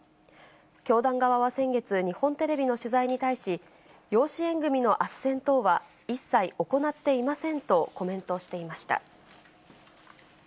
教団側は先月、日本テレビの取材に対し、養子縁組のあっせん等は一切行っていませんとコメントしていました。